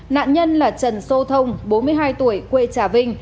nạn nhân là trần sô thông bốn mươi hai tuổi quê trà vinh